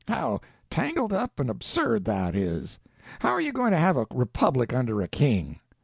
How tangled up and absurd that is! How are you going to have a republic under a king?